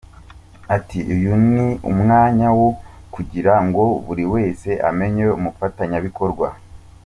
Ati “Uyu ni umwanya wo kugira ngo buri wese amenye umufatanyabikorwa we.